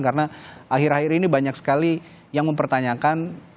karena akhir akhir ini banyak sekali yang mempertanyakan